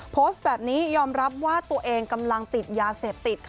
โพสต์แบบนี้ยอมรับว่าตัวเองกำลังติดยาเสพติดค่ะ